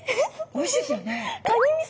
おいしいですよね。